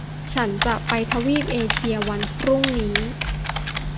ฉันจะไปทวีปเอเชียวันพรุ่งนี้